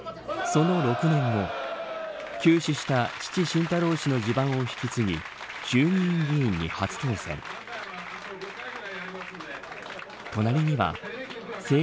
その６年後急死した父、晋太郎氏の地盤を引き継ぎ衆議院議員に初当選。